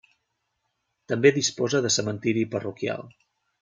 També disposa de cementeri parroquial.